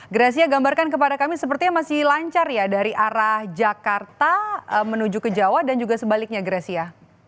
gracia gambarkan kepada kami sepertinya masih lancar ya dari arah jakarta menuju ke jawa dan juga sebaliknya gracia